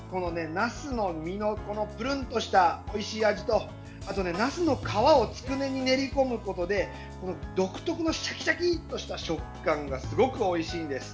なすの実のプルンとしたおいしい味と、なすの皮をつくねに練り込むことで独特のシャキシャキとした食感がすごくおいしいんです。